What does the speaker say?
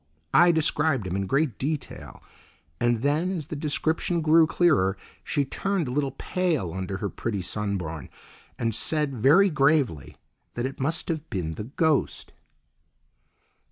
I described him in great detail, and then, as the description grew clearer, she turned a little pale under her pretty sunburn and said very gravely that it must have been the ghost.